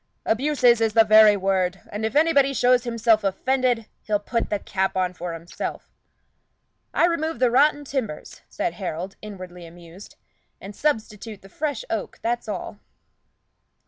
Abuses is the very word; and if anybody shows himself offended, he'll put the cap on for himself." "I remove the rotten timbers," said Harold, inwardly amused, "and substitute fresh oak, that's all."